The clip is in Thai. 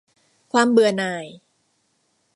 ความเบื่อหน่าย